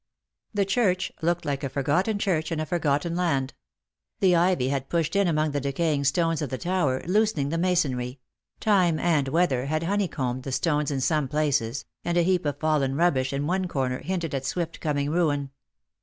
The church looked like a forgotten church in a forgotten land. The ivy had pushed in among the decaying stones of the tower, loosening the masonry ; time and weather had honeycombed the stones in some places, and a heap of fallen rubbish in one corner hinted at swift coming ruin.